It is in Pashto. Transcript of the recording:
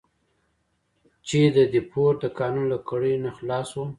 چې د دیپورت د قانون له کړۍ نه خلاص وو.